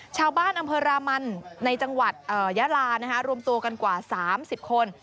ชาวบ้านอำเภอรามันในจังหวัดยาลารวมตัวกันกว่า๓๐คน